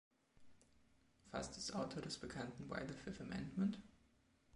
Fast ist Autor des bekannten Why the Fifth Amendment?